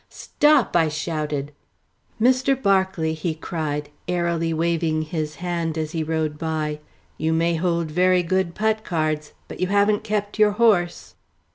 "Stop!" I shouted out. "Mr. Berkeley," he cried, airily waving his hand as he rode by, "you may hold very good putt cards, but you haven't kept your horse."